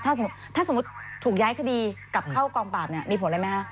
ถ้าสมมติถูกย้ายคดีกลับเข้ากองปราบมีผลอะไรไหมครับ